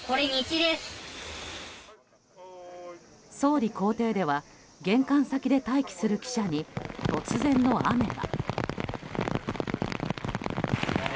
総理公邸では玄関先で待機する記者に突然の雨が。